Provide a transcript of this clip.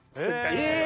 えっ！